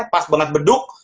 pas banget beduk